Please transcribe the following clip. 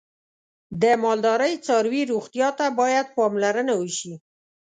د مالدارۍ څاروی روغتیا ته باید پاملرنه وشي.